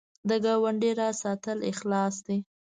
د ګاونډي راز ساتل اخلاص دی